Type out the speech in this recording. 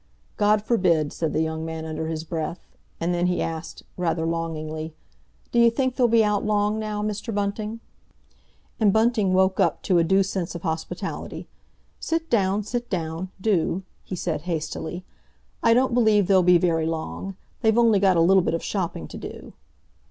"God forbid!" said the young man under his breath. And then he asked, rather longingly, "D'you think they'll be out long now, Mr. Bunting?" And Bunting woke up to a due sense of hospitality. "Sit down, sit down; do!" he said hastily. "I don't believe they'll be very long. They've only got a little bit of shopping to do."